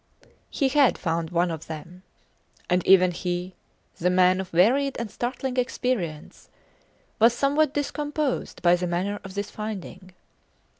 He had found one of them! And even he, the man of varied and startling experience, was somewhat discomposed by the manner of this finding.